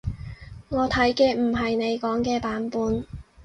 我睇嘅唔係你講嘅版本